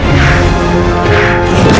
kau akan dihukum